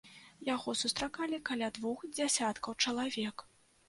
Яго сустракалі каля двух дзясяткаў чалавек.